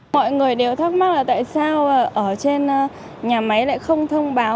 mọi người đều thắc mắc là tại sao ở trên nhà máy lại không thông báo